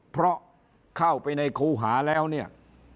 เพราะเข้าไปในครูหาแล้วเนี่ย